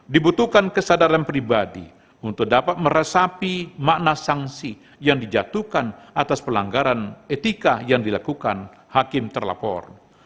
dibutuhkan kesadaran pribadi untuk dapat meresapi makna sanksi yang dijatuhkan atas pelanggaran etika yang dilakukan hakim terlapor